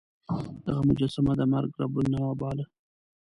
دغه مجسمه د مرګ رب النوع باله.